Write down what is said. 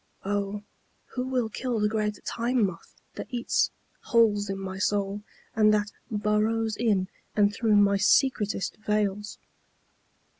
(O who will kill the great Time Moth that eats holes in my soul and that burrows in and through my secretest veils!)